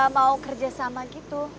mau kerja sama gitu